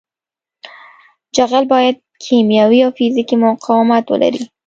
جغل باید کیمیاوي او فزیکي مقاومت ولري